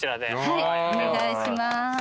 はいお願いします。